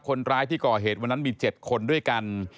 คนร้ายที่ก่อเหตุวันนั้นมี๗คนด้วยกัน